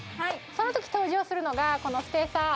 その時登場するのがこのスペーサー。